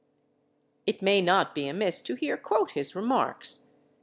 It may not be amiss to here quote his remarks.